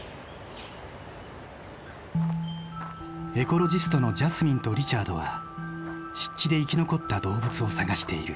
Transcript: エコロジストのジャスミンとリチャードは湿地で生き残った動物を探している。